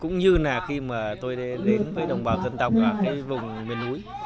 cũng như là khi mà tôi đến với đồng bào dân tộc cái vùng miền núi